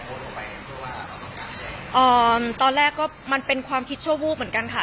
ตอนนี้จะโกรธเข้าไปกันเพราะว่าอ๋อตอนแรกก็มันเป็นความคิดชั่วโภคเหมือนกันค่ะ